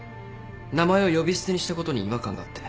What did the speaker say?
名前を呼び捨てにしたことに違和感があって。